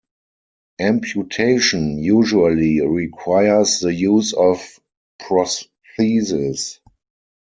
Amputation usually requires the use of prosthesis.